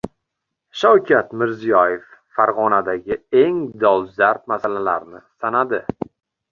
Shavkat Mirziyoyev Farg‘onadagi eng dolzarb masalalarni sanadi